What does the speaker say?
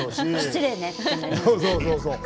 そうそうそうそう。